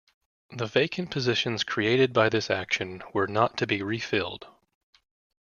The vacant positions created by this action were not to be refilled.